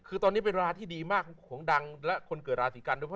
คือตอนนี้เป็นราที่ดีมากของดังและคนเกิดราศีกันด้วย